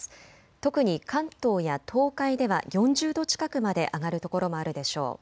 特に関東や東海では４０度近くまで上がる所もあるでしょう。